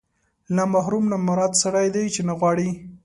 له محروم نه مراد سړی دی چې نه غواړي.